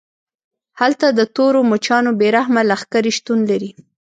هلته د تورو مچانو بې رحمه لښکرې شتون لري